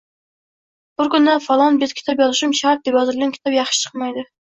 Bir kunda falon bet kitob yozishim shart, deb yozilgan kitob yaxshi chiqmaydi.